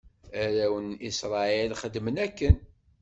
Arraw n Isṛayil xedmen akken.